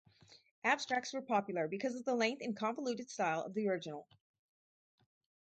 Abstracts were popular because of the length and convoluted style of the original.